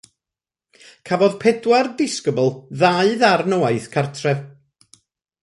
Cafodd pedwar disgybl ddau ddarn o waith cartref